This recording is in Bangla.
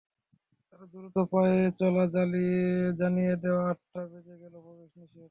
তাঁর দ্রুত পায়ে চলা জানিয়ে দেয়, আটটা বেজে গেলে প্রবেশ নিষেধ।